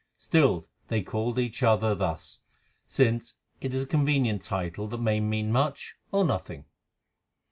Still they called each other thus, since it is a convenient title that may mean much or nothing.